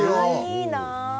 いいな。